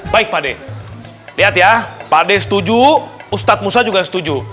baik pak de lihat ya pak ade setuju ustadz musa juga setuju